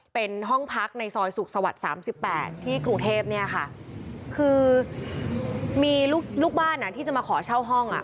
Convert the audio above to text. เป็นห้องพักในซอยสุขสวรรค์๓๘ที่กรุงเทพฯคือมีลูกบ้านที่จะมาขอเช่าห้อง